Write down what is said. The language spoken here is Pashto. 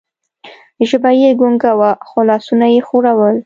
ژبه یې ګونګه وه، خو لاسونه یې ښورول.